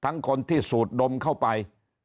คนที่สูดดมเข้าไป